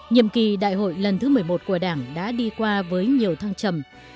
nhiệm kỳ đại hội lần thứ một mươi một của đảng đã đi qua với nhiều thăng trầm